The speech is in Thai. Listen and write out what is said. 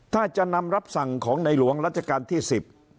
ถ้าจะนำรับสั่งของในหลวงรัชกาลที่สิบ